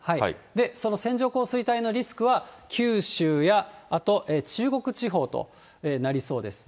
その線状降水帯のリスクは九州やあと中国地方となりそうです。